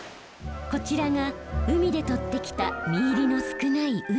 こちらが海で取ってきた身入りの少ないウニ。